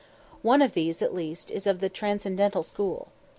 One of these at least is of the transcendental school.